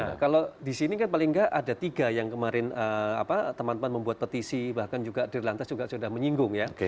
ya kalau di sini kan paling nggak ada tiga yang kemarin teman teman membuat petisi bahkan juga di lantas juga sudah menyinggung ya